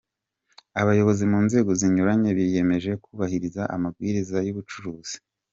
Abayobozi mu nzego zinyuranye biyemeje kubahiriza amabwiriza y’ubucukuzi.